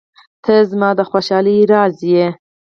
• ته زما د خوشحالۍ راز یې.